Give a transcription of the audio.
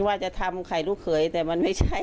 ว่าจะทำไข่ลูกเขยแต่มันไม่ใช่